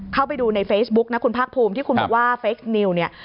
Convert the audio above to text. เข้าไปดูในเฟซบุ๊กนะคุณภาคภูมิที่คุณบอกว่าเฟคนิวเนี่ย